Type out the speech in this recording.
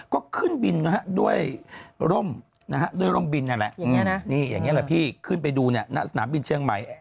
ก็ขึ้นบินด้วยร่มบินอย่างนี้แหละพี่ขึ้นไปดูหน้าสนามบินเชียงใหม่